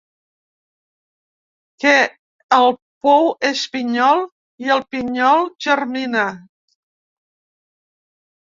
Que el pou és pinyol i el pinyol germina.